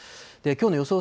きょうの予想